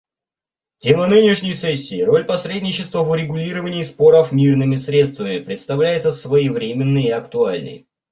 Тема нынешней сессии — «Роль посредничества в урегулировании споров мирными средствами» — представляется своевременной и актуальной.